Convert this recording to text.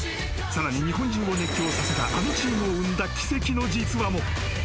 更に、日本中を熱狂させたあのチームを生んだ奇跡の実話も。